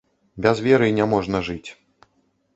Без веры не можна жыць.